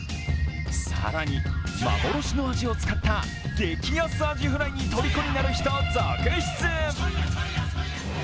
更に、幻のアジを使った激安アジフライのとりこになる人続出。